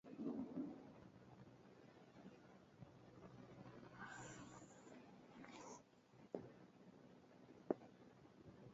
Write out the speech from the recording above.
Dak ne giguro orindi, ka otieno ne podipiny olil to chil, dine gichomo kanye?